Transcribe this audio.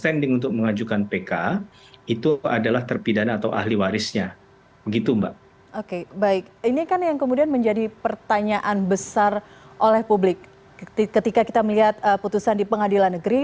jadi ini memang sudah dari awal sudah kita sampaikan agar jangan sampai euforia berlebihan ketika melihat putusan pengadilan negeri